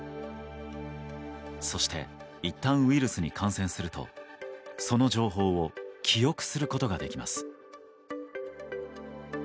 そしていったんウイルスに感染するとその情報を記憶することができます。